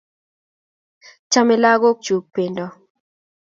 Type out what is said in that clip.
Chame lagok chuk pendo